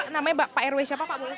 namanya pak rw siapa pak boleh